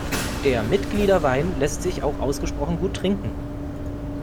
Der Mitgliederwein lässt sich auch ausgesprochen gut trinken.